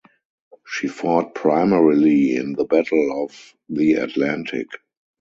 She fought primarily in the Battle of the Atlantic.